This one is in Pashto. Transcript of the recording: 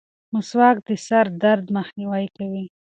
مسواک د سر درد مخنیوی کوي.